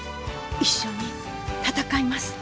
一緒に戦います。